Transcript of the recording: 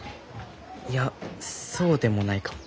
いやそうでもないかも。